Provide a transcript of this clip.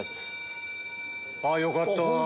あぁよかった。